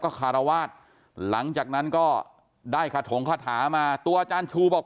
คารวาสหลังจากนั้นก็ได้คาถงคาถามาตัวอาจารย์ชูบอก